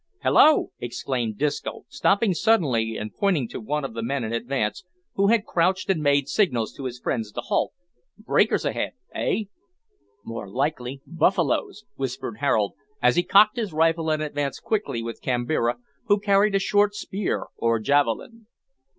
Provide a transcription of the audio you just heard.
"Hallo!" exclaimed Disco, stopping suddenly and pointing to one of the men in advance, who had crouched and made signals to his friends to halt, "breakers ahead eh?" "More likely buffaloes," whispered Harold, as he cocked his rifle and advanced quickly with Kambira, who carried a short spear or javelin.